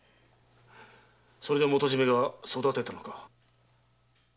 それで元締が育てたのか？